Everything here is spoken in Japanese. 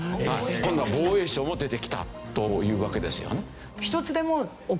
今度は防衛省も出てきたというわけですよね。